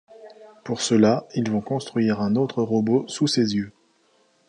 Pour cela, ils vont construire un autre robot sous ses yeux.